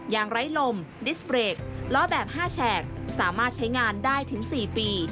อย่างไร้ลมดิสเปรกล้อแบบ๕แฉกสามารถใช้งานได้ถึง๔ปี